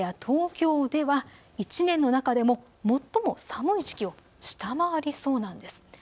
さいたまや東京では１年の中でも最も寒い時期を下回りそうなんです。